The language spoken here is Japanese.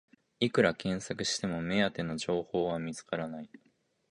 いくら検索しても目当ての情報は見つからない